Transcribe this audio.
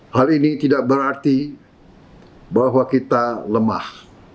hal ini tidak berarti bahwa kita lemah